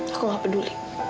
aku gak peduli